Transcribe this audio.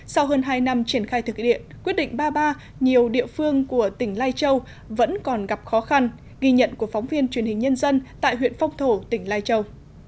sau hơn hai năm triển khai thực hiện quyết định ba mươi ba nhiều địa phương của tỉnh lai châu vẫn còn gặp khó khăn ghi nhận của phóng viên truyền hình nhân dân tại huyện phong thổ tỉnh lai châu